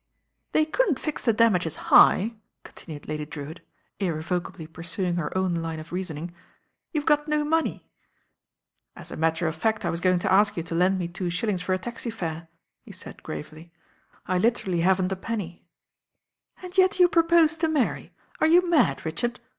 "They couldn't fix the damages high," continued Lady Drewitt, irrevocably pursuing her own line of reasoning. "You've got no money." "As a matter of fact I was going to ask you to lend me two shillings for a taxi fare," he said gravely; "I literally haven't a penny." "And yet you propose to marry. Are you mad, Richard?